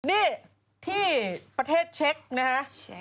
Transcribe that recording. นี่ที่ประเทศเช็คนะฮะ